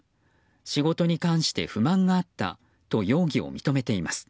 仕事に関して不満があったと容疑を認めています。